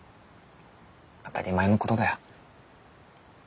当たり前のことだよ。